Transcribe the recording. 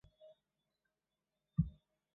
他妻子受不了而选择离婚